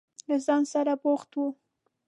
له ځان سره بوخت و.